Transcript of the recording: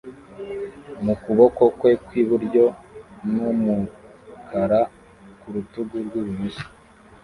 mu kuboko kwe kw'iburyo n'uw'umukara ku rutugu rw'ibumoso